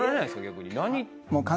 逆に。